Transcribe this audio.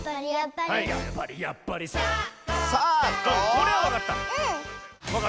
これはわかった。